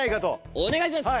お願いします。